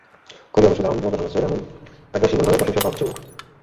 কোহলি অবশ্য তাঁর অন্যতম প্রধান অস্ত্রের এমন আগ্রাসী মনোভাবে প্রশংসায় পঞ্চমুখ।